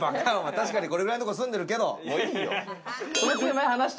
確かに、これぐらいのところ住んでるけれども。